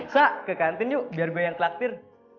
sa ke kantin yuk biar gue yang telaktir